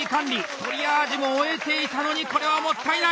トリアージも終えていたのにこれはもったいない！